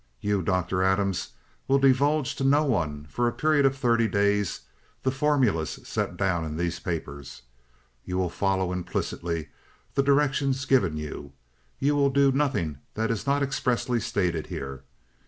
You, Dr. Adams, will divulge to no one, for a period of thirty days, the formulas set down in these papers; you will follow implicitly the directions given you; you will do nothing that is not expressly stated here.